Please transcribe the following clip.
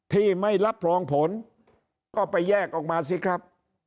ที่ไม่รับรองผลก็ไปแยกออกมาสิครับ